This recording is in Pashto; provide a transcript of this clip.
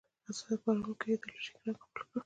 حساسیت پاروونکی ایدیالوژیک رنګ خپل کړ